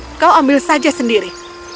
aku bilang kau ambil saja sendiri